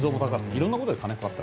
いろんなことに金かかった。